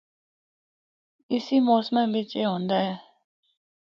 اِسّی موسماں بچ اے ہوندا اے۔